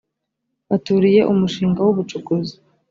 baturiye umushinga w ubucukuzi